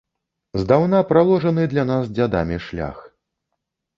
Здаўна праложаны для нас дзядамі шлях.